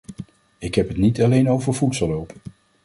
Ik heb het niet alleen over voedselhulp.